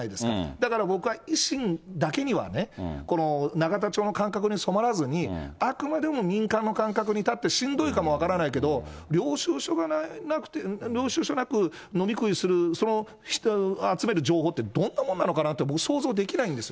だから僕は維新だけにはね、永田町の感覚に染まらずに、あくまでも民間の感覚に立って、しんどいかも分からないけど、領収書なく飲み食いする、その人を集める情報って、どんなもんなのかなって、僕、想像できないんです。